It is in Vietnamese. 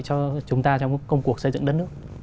cho chúng ta trong công cuộc xây dựng đất nước